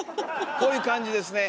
こういう感じですね。